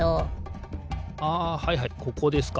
あはいはいここですか。